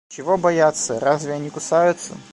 Чего бояться? Разве они кусаются?